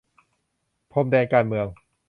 พรมแดนการเมือง